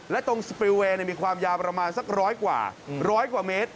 และตรงสปริลเวย์มีความยาวประมาณสักร้อยกว่าร้อยกว่าเมตร